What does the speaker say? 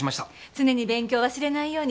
常に勉強忘れないように。